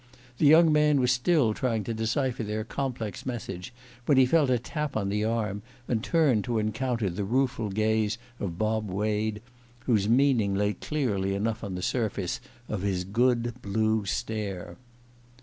The young man was still trying to decipher their complex message when he felt a tap on the arm, and turned to encounter the rueful gaze of Bob Wade, whose meaning lay clearly enough on the surface of his good blue stare.